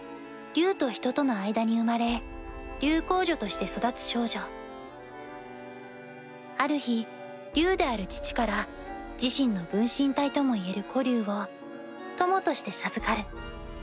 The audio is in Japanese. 竜と人との間に生まれ竜皇女として育つ少女ある日竜である父から自身の分身体ともいえる子竜を友として授かる